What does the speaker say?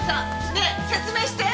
ねえ説明して！